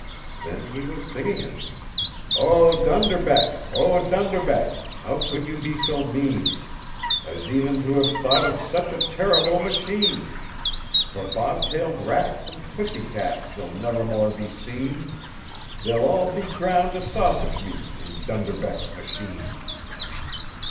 Then he was singing it: "Oh Dunderbeck, Oh Dunderbeck, how could you be so mean As even to have thought of such a terrible machine! For bob tailed rats and pussy cats shall never more be seen; They'll all be ground to sausage meat in Dunderbeck's machine."